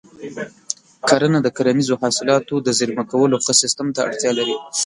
کرنه د کرنیزو حاصلاتو د زېرمه کولو ښه سیستم ته اړتیا لري.